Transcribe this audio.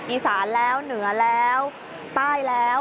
อีสานแล้วเหนือแล้วใต้แล้ว